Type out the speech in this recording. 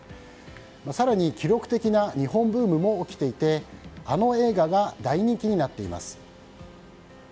更に、記録的な日本ブームも起きていてあの映画が大人気になっています。